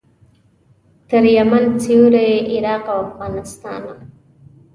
تر یمن، سوریې، عراق او افغانستانه.